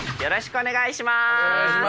お願いします。